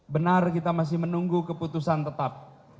benar kita masih menunggu keputusan tetap